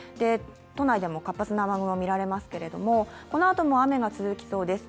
都内でも活発な雨雲が見られますけれども、このあとも雨が続きそうです。